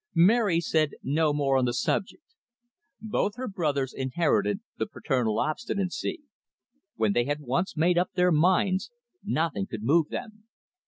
Mary said no more on the subject. Both her brothers inherited the paternal obstinacy. When they had once made up their minds, nothing could move them.